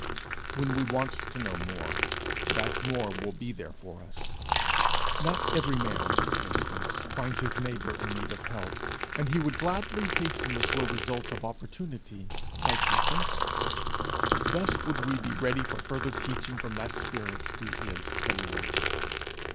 When we want to know more, that more will be there for us. Not every man, for instance, finds his neighbour in need of help, and he would gladly hasten the slow results of opportunity by true thinking. Thus would we be ready for further teaching from that Spirit who is the Lord.